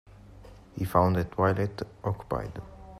He found the toilet occupied.